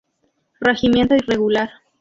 Regimiento irregular".